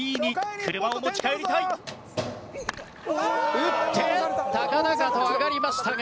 打って高々と上がりましたが。